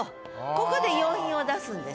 ここで余韻を出すんです。